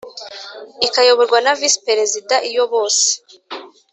ikayoborwa na Visi Perezida Iyo bose